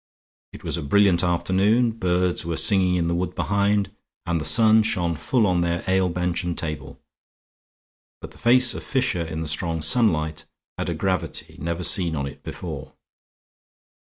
It was a brilliant afternoon, birds were singing in the wood behind, and the sun shone full on their ale bench and table; but the face of Fisher in the strong sunlight had a gravity never seen on it before.